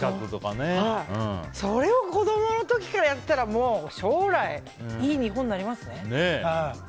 それを子供の時からやったらもう将来いい日本になりますね。